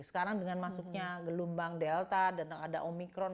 sekarang dengan masuknya gelombang delta dan ada omikron